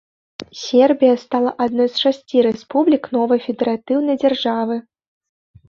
Сербія стала адной з шасці рэспублік новай федэратыўнай дзяржавы.